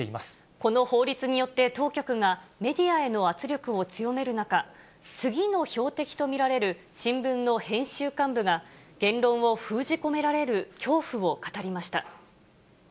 この法律によって当局が、メディアへの圧力を強める中、次の標的と見られる新聞の編集幹部が、言論を封じ込められる恐怖を語りました。